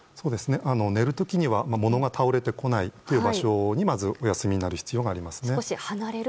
寝る時には物が倒れてこないところでまずお休みになる必要がありますね。